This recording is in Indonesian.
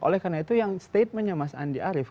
oleh karena itu yang statementnya mas andi arief